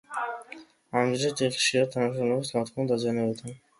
ამ მიზნით იხ ხშირად თანამშრომლობს განთქმულ დიზაინერებთან.